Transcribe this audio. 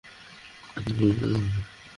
এখানে কেন এসেছ?